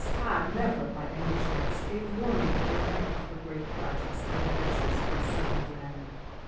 TODD never by any chance gave warning over night of her great projects and adventures by sea and land.